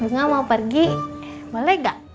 bunga mau pergi boleh gak